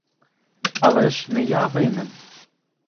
Але ж не я винен?